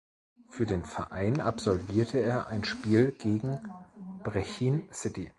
Für den Verein absolvierte er ein Spiel gegen Brechin City.